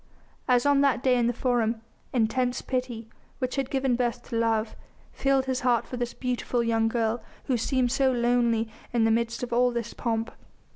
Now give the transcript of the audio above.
As on that day in the Forum, intense pity which had given birth to love filled his heart for this beautiful young girl who seemed so lonely in the midst of all this pomp.